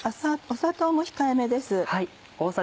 砂糖も控えめです。